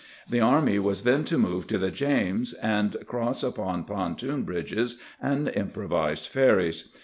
The army was then to move to the James, and cross upon pontoon bridges and improvised ferries.